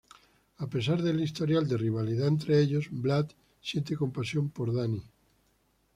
A pesar del historial de rivalidad entre ellos, Vlad siente compasión por Danny.